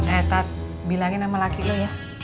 eh tat bilangin sama laki lu ya